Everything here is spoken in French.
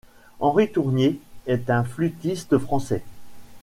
Henri Tournier est un flûtiste français.